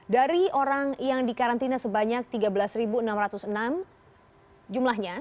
dari orang yang dikarantina sebanyak tiga belas enam ratus enam jumlahnya